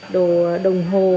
đồ đồng hồ